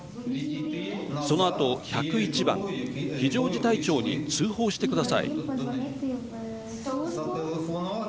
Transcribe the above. そのあと１０１番非常事態庁に通報してください。